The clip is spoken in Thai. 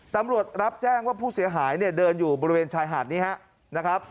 รับแจ้งว่าผู้เสียหายเนี่ยเดินอยู่บริเวณชายหาดนี้ครับนะครับ